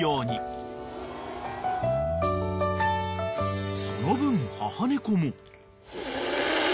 ［その分母猫も］